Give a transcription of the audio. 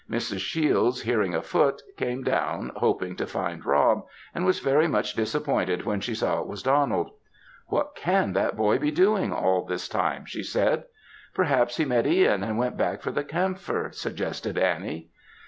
Mrs. Shiels hearing a foot, came down, hoping to find Rob; and was very much disappointed when she saw it was Donald. "What can that boy be doing, all this time?" she said. "Perhaps he met Ihan, and went back for the camphor," suggested Annie.